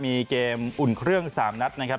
มีเกมอุ่นเครื่อง๓นัดนะครับ